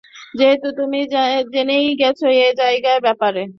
যেহেতু তুমি জেনেই গেছ এই জায়গার ব্যাপারে।